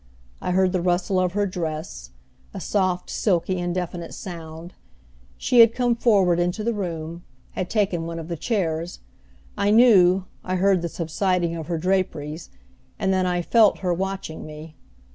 I heard the rustle of her dress, a soft, silky, indefinite sound. She had come forward into the room, had taken one of the chairs, I knew I heard the subsiding of her draperies and then I felt her watching me.